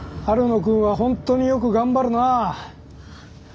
晴野君は本当によく頑張るな。